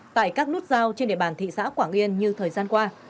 tại các nút giao trên địa bàn thị xã quảng yên như thời gian qua